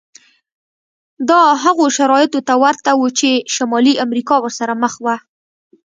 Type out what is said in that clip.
دا هغو شرایطو ته ورته و چې شمالي امریکا ورسره مخ وه.